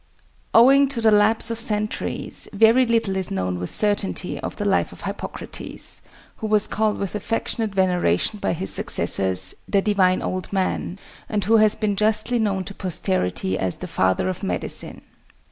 _ Owing to the lapse of centuries, very little is known with certainty of the life of Hippocrates, who was called with affectionate veneration by his successors "the divine old man," and who has been justly known to posterity as "the Father of Medicine."